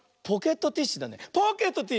ポケットティッシュだね。